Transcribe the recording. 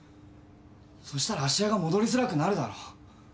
そしたら芦屋が戻りづらくなるだろ。